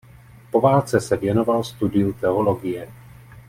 Po válce se věnoval studiu teologie.